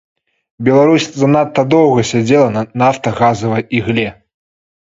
Беларусь занадта доўга сядзела на нафтагазавай ігле.